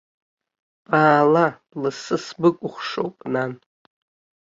Баала, бласы, сбыкәхшоуп, нан.